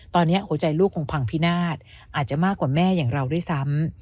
ตอนนี้หัวใจลูกคงพังพินาศอาจจะมากกว่าแม่อย่างเราด้วยซ้ำ